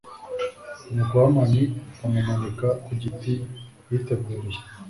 Nuko Hamani bamumanika ku giti yiteguriye